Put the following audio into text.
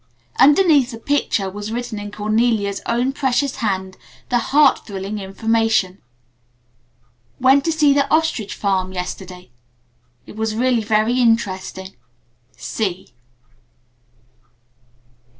Underneath the picture was written in Cornelia's own precious hand the heart thrilling information: "We went to see the Ostrich Farm yesterday. It was really very interesting.